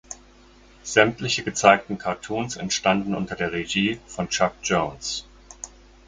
Sämtliche gezeigten Cartoons entstanden unter der Regie von Chuck Jones.